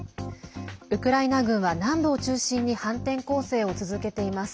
ウクライナ軍は南部を中心に反転攻勢を続けています。